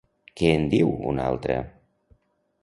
Què en diu una altra?